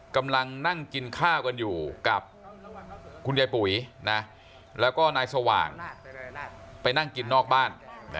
กำลังนั่งกินข้าวกันอยู่กับคุณยายปุ๋ยแล้วก็นายสว่างไปนั่งกินนอกบ้าน